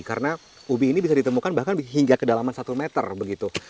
karena ubi ini bisa ditemukan bahkan hingga kedalaman satu meter begitu